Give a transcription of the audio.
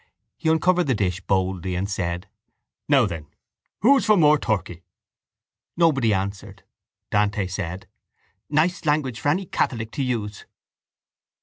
He uncovered the dish boldly and said: —Now then, who's for more turkey? Nobody answered. Dante said: —Nice language for any catholic to use!